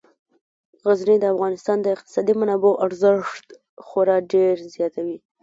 غزني د افغانستان د اقتصادي منابعو ارزښت خورا ډیر زیاتوي.